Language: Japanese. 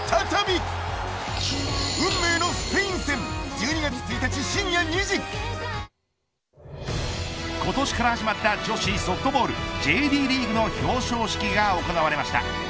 丕劭蓮キャンペーン中今年から始まった女子ソフトボール、ＪＤリーグの表彰式が行われました。